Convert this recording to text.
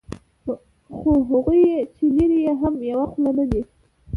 خو هغوی چې لري یې هم یوه خوله نه دي.